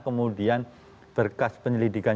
kemudian berkas penyelidikan